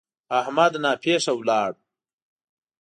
احمد ناپېښه ولاړ.